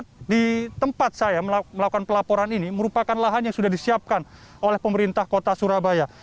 karena di tempat saya melakukan pelaporan ini merupakan lahan yang sudah disiapkan oleh pemerintah kota surabaya